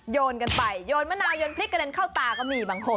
โยนกันไปโยนมะนาวยนพริกกระเด็นเข้าตาก็มีบางคน